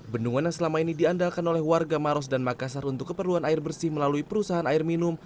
bendungan yang selama ini diandalkan oleh warga maros dan makassar untuk keperluan air bersih melalui perusahaan air minum